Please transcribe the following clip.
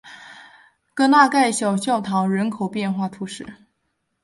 戈纳盖小教堂人口变化图示